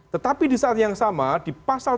tetapi di saat yang sama di pasal tiga ratus empat